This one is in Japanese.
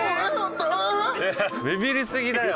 ビビりすぎだよ。